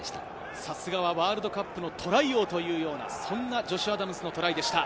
さすがワールドカップのトライ王という、ジョシュ・アダムズのトライでした。